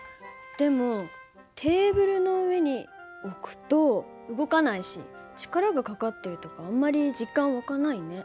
でもテーブルの上に置くと動かないし力がかかってるとかあんまり実感湧かないね。